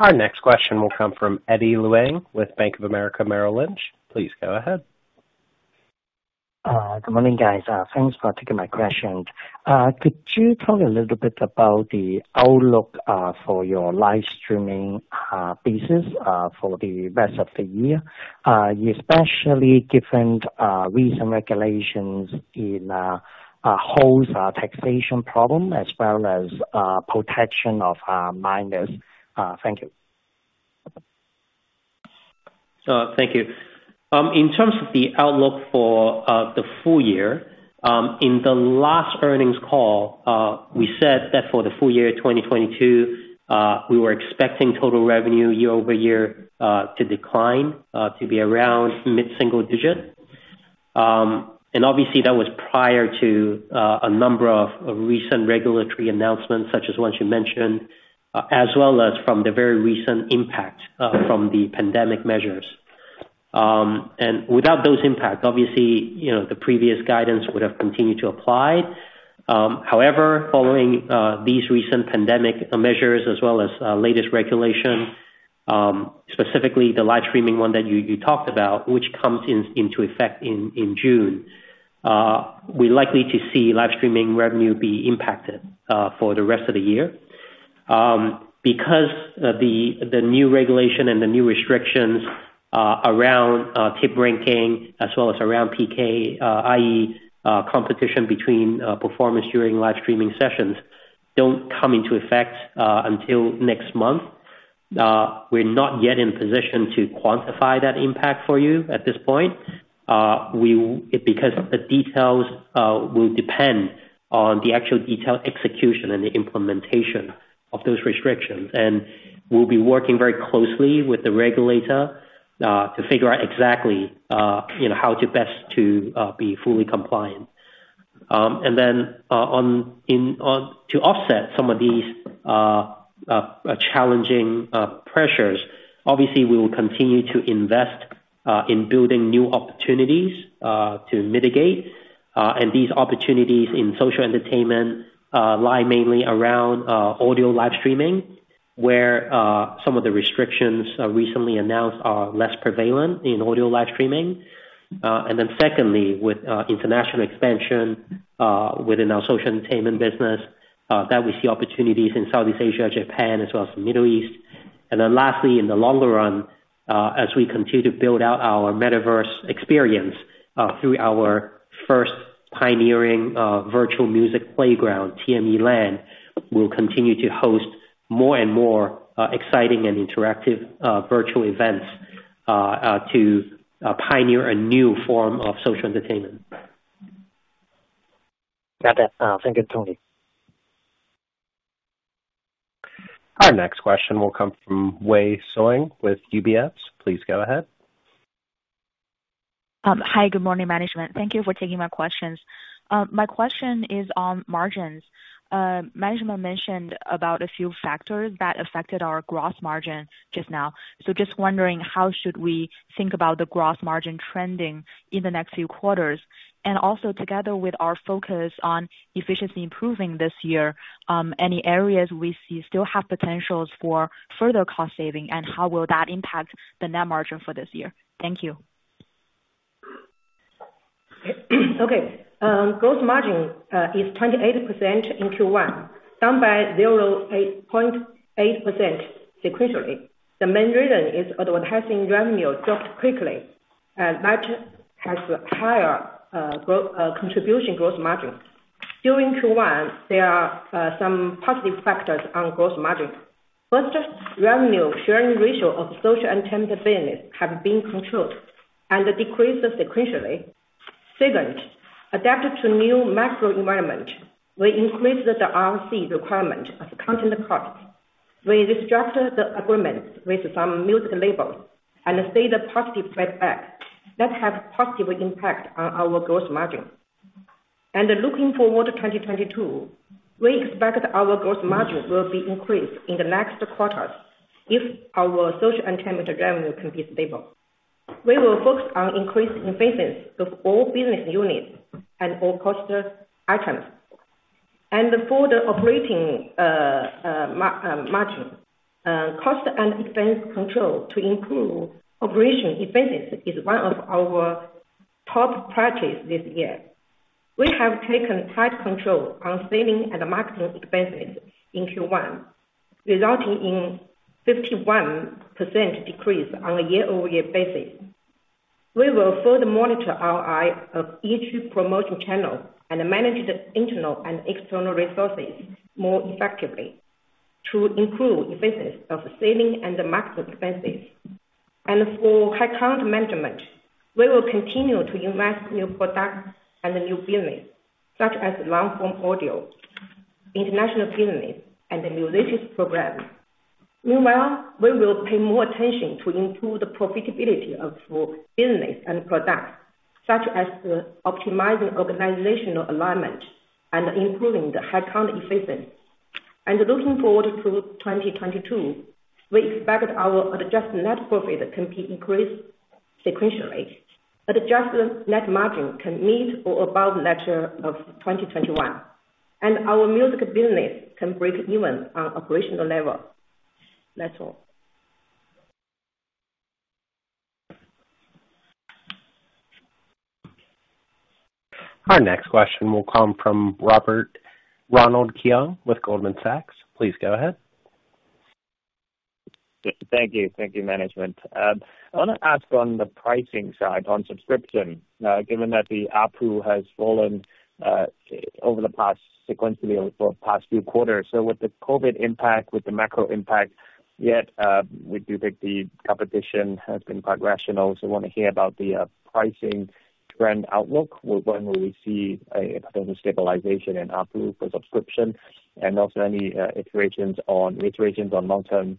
Our next question will come from Eddie Leung with Bank of America Merrill Lynch. Please go ahead. Good morning, guys. Thanks for taking my question. Could you tell me a little bit about the outlook for your live streaming business for the rest of the year, especially different recent regulations in host taxation problem as well as protection of minors? Thank you. Thank you. In terms of the outlook for the full year, in the last earnings call, we said that for the full year 2022, we were expecting total revenue year-over-year to decline to be around mid-single-digit. Obviously that was prior to a number of recent regulatory announcements, such as ones you mentioned, as well as from the very recent impact from the pandemic measures. Without those impacts, obviously, you know, the previous guidance would have continued to apply. However, following these recent pandemic measures as well as latest regulation, specifically the live streaming one that you talked about, which comes into effect in June, we're likely to see live streaming revenue be impacted for the rest of the year. Because the new regulation and the new restrictions around tip ranking as well as around PK, i.e., competition between performance during live streaming sessions don't come into effect until next month. We're not yet in position to quantify that impact for you at this point because the details will depend on the actual detail execution and the implementation of those restrictions. We'll be working very closely with the regulator to figure out exactly you know how best to be fully compliant. On to offset some of these challenging pressures, obviously we will continue to invest in building new opportunities to mitigate. These opportunities in social entertainment lie mainly around audio live streaming, where some of the restrictions recently announced are less prevalent in audio live streaming. Secondly, with international expansion within our social entertainment business, that we see opportunities in Southeast Asia, Japan, as well as the Middle East. Lastly, in the longer run as we continue to build out our metaverse experience through our first pioneering virtual music playground, TMELand, we'll continue to host more and more exciting and interactive virtual events to pioneer a new form of social entertainment. Got that. Thank you, Tony. Our next question will come from Wei Xiong with UBS. Please go ahead. Hi, good morning, management. Thank you for taking my questions. My question is on margins. Management mentioned about a few factors that affected our gross margin just now. Just wondering, how should we think about the gross margin trending in the next few quarters? Also together with our focus on efficiency improving this year, any areas we see still have potentials for further cost saving, and how will that impact the net margin for this year? Thank you. Okay. Gross margin is 28% in Q1, down by 0.8% sequentially. The main reason is advertising revenue dropped quickly, and margin has a higher gross contribution to gross margin. During Q1, there are some positive factors on gross margin. First, revenue sharing ratio of social entertainment business have been controlled and decreased sequentially. Second, adapting to new macro environment will increase the cost requirement of content costs. We restructured the agreements with some music labels and see the positive effect. That have positive impact on our gross margin. Looking forward to 2022, we expect our gross margin will be increased in the next quarters if our social entertainment revenue can be stable. We will focus on increasing efficiencies of all business units and all cost items. For the operating margin, cost and expense control to improve operation efficiencies is one of our top priorities this year. We have taken tight control on selling and marketing expenses in Q1, resulting in 51% decrease on a year-over-year basis. We will further monitor ROI of each promotion channel and manage the internal and external resources more effectively to improve efficiencies of selling and marketing expenses. For headcount management, we will continue to invest new products and new business, such as long-form audio, international business and the new latest programs. Meanwhile, we will pay more attention to improve the profitability of new business and products, such as optimizing organizational alignment and improving the headcount efficiency. Looking forward to 2022, we expect our adjusted net profit can be increased sequentially. Adjusted net margin can meet or above last year of 2021, and our music business can break even on operational level. That's all. Our next question will come from Ronald Keung with Goldman Sachs. Please go ahead. Thank you, Management. I wanna ask on the pricing side on subscription, given that the ARPPU has fallen sequentially over the past few quarters. With the COVID impact, with the macro impact yet, we do think the competition has been quite rational. I want to hear about the pricing trend outlook. When will we see a potential stabilization in ARPPU for subscription? And also any iterations on long-term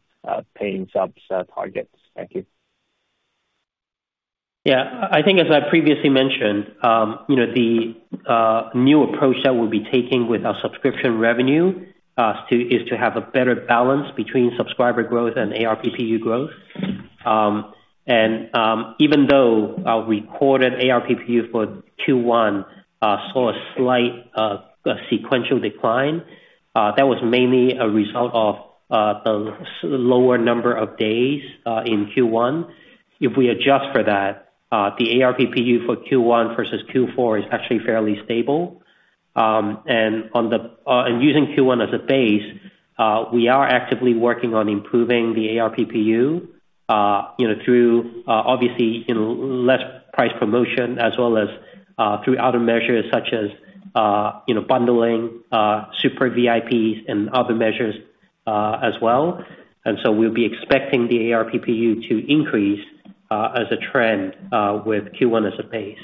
paying subs targets. Thank you. I think as I previously mentioned, you know, the new approach that we'll be taking with our subscription revenue is to have a better balance between subscriber growth and ARPPU growth. Even though our recorded ARPPU for Q1 saw a slight sequential decline, that was mainly a result of the lower number of days in Q1. If we adjust for that, the ARPPU for Q1 versus Q4 is actually fairly stable. Using Q1 as a base, we are actively working on improving the ARPPU, you know, through obviously less price promotion as well as through other measures such as, you know, bundling Super VIPs and other measures, as well. We'll be expecting the ARPPU to increase as a trend with Q1 as a base.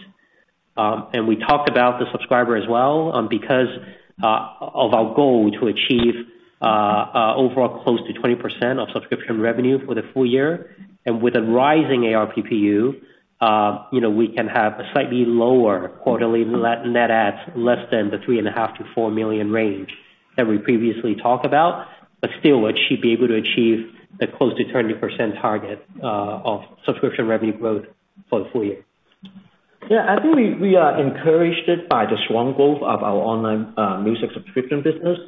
Overall close to 20% of subscription revenue for the full year and with a rising ARPPU, you know, we can have a slightly lower quarterly net adds less than the 3.5 million-4 million range that we previously talked about, but still we should be able to achieve the close to 20% target of subscription revenue growth for the full year. Yeah. I think we are encouraged by the strong growth of our online music subscription business,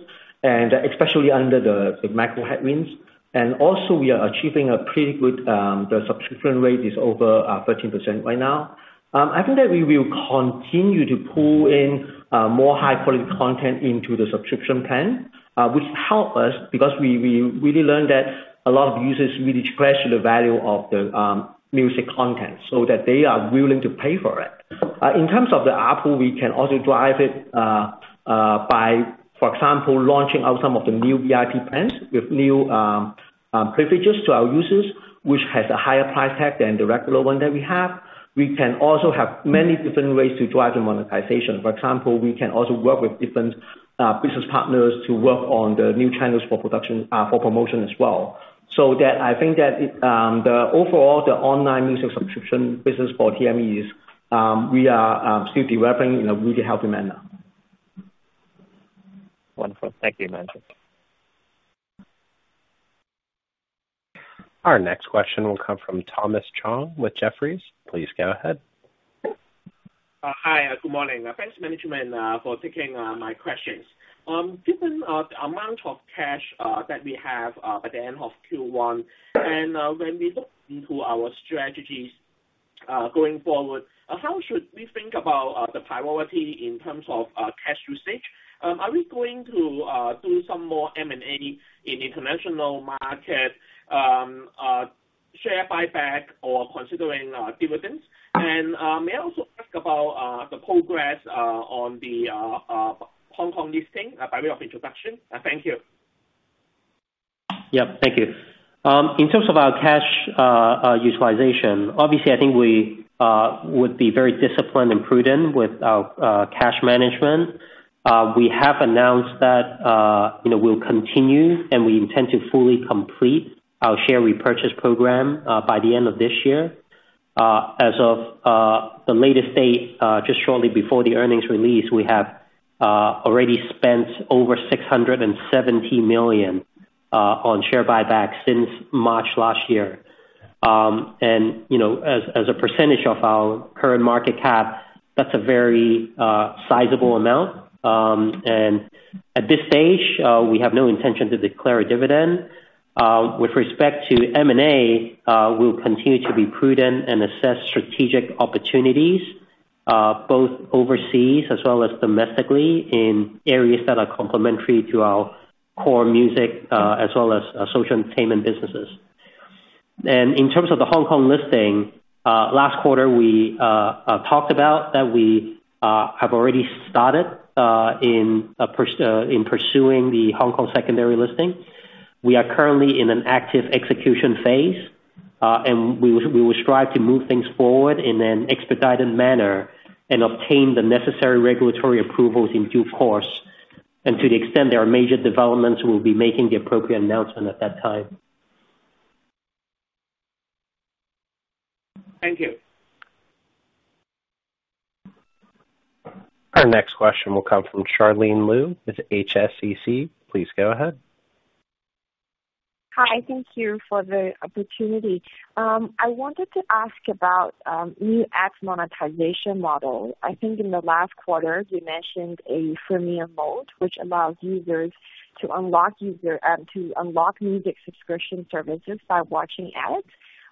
and especially under the macro headwinds. Also, we are achieving a pretty good subscription rate of over 13% right now. I think that we will continue to pull in more high-quality content into the subscription plan, which help us because we really learned that a lot of users really question the value of the music content so that they are willing to pay for it. In terms of the ARPPU, we can also drive it by, for example, launching out some of the new VIP plans with new privileges to our users, which has a higher price tag than the regular one that we have. We can also have many different ways to drive the monetization. For example, we can also work with different business partners to work on the new channels for production for promotion as well. That I think that the overall online music subscription business for TME is we are still developing in a really healthy manner. Wonderful. Thank you, Manchu. Our next question will come from Thomas Chong with Jefferies. Please go ahead. Hi. Good morning. Thanks management for taking my questions. Given the amount of cash that we have at the end of Q1, and when we look into our strategies going forward, how should we think about the priority in terms of cash usage? Are we going to do some more M&A in international market, share buyback or considering dividends? May I also ask about the progress on the Hong Kong listing by way of introduction? Thank you. Yeah, thank you. In terms of our cash utilization, obviously I think we would be very disciplined and prudent with our cash management. We have announced that you know, we'll continue, and we intend to fully complete our share repurchase program by the end of this year. As of the latest date just shortly before the earnings release, we have already spent over $670 million on share buybacks since March last year. You know, as a percentage of our current market cap, that's a very sizable amount. At this stage, we have no intention to declare a dividend. With respect to M&A, we'll continue to be prudent and assess strategic opportunities, both overseas as well as domestically in areas that are complementary to our core music, as well as social entertainment businesses. In terms of the Hong Kong listing, last quarter, we talked about that we have already started in pursuing the Hong Kong secondary listing. We are currently in an active execution phase, and we will strive to move things forward in an expedited manner and obtain the necessary regulatory approvals in due course. To the extent there are major developments, we'll be making the appropriate announcement at that time. Thank you. Our next question will come from Charlene Liu with HSBC. Please go ahead. Hi. Thank you for the opportunity. I wanted to ask about new ads monetization model. I think in the last quarter you mentioned a premium mode which allows users to unlock music subscription services by watching ads.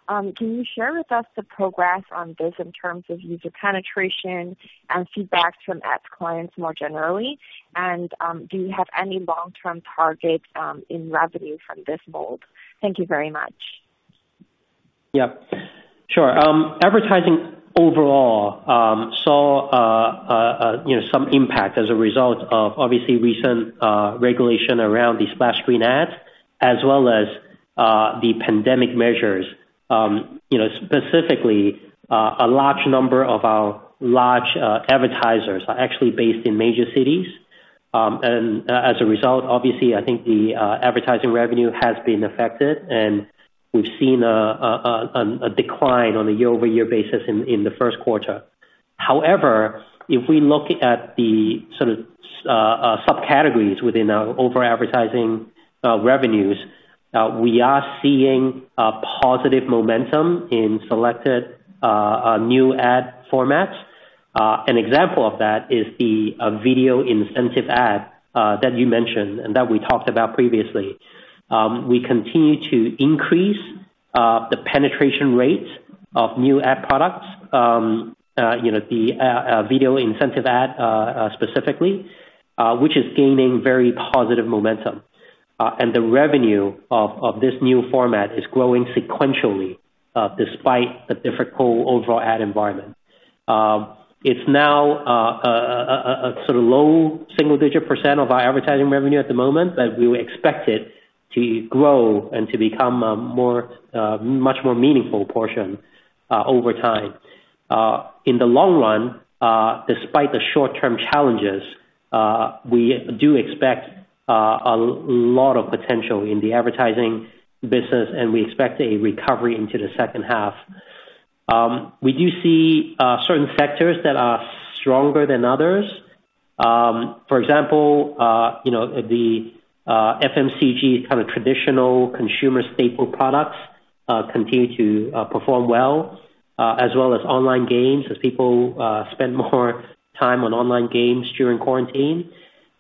Can you share with us the progress on this in terms of user penetration and feedback from app clients more generally? Do you have any long-term targets in revenue from this mode? Thank you very much. Yeah, sure. Advertising overall saw you know some impact as a result of obviously recent regulation around the splash screen ads as well as the pandemic measures. You know, specifically, a large number of our large advertisers are actually based in major cities. As a result, obviously, I think the advertising revenue has been affected and we've seen a decline on a year-over-year basis in the first quarter. However, if we look at the sort of subcategories within our overall advertising revenues, we are seeing a positive momentum in selected new ad formats. An example of that is the video incentive ad that you mentioned and that we talked about previously. We continue to increase the penetration rates of new ad products, you know, the video incentive ad specifically, which is gaining very positive momentum. The revenue of this new format is growing sequentially despite the difficult overall ad environment. It's now a sort of low single-digit % of our advertising revenue at the moment, but we would expect it to grow and to become a much more meaningful portion over time. In the long run, despite the short-term challenges, we do expect a lot of potential in the advertising business, and we expect a recovery into the second half. We do see certain sectors that are stronger than others. For example, you know, the FMCG kind of traditional consumer staple products continue to perform well, as well as online games, as people spend more time on online games during quarantine.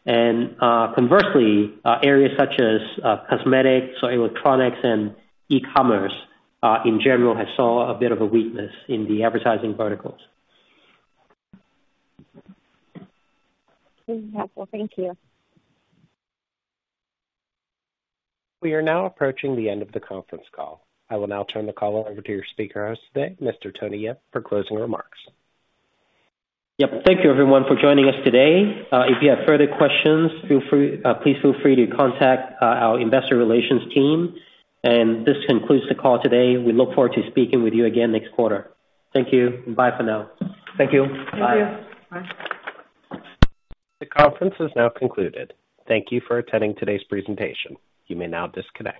Conversely, areas such as cosmetics or electronics and e-commerce in general have saw a bit of a weakness in the advertising verticals. Okay. That's all. Thank you. We are now approaching the end of the conference call. I will now turn the call over to your speaker host today, Mr. Tony Yip, for closing remarks. Yep. Thank you everyone for joining us today. If you have further questions, please feel free to contact our investor relations team. This concludes the call today. We look forward to speaking with you again next quarter. Thank you and bye for now. Thank you. Bye. Bye. The conference is now concluded. Thank you for attending today's presentation. You may now disconnect.